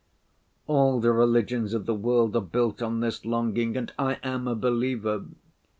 All the religions of the world are built on this longing, and I am a believer.